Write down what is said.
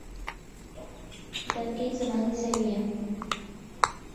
دادگای زەمانی زەویە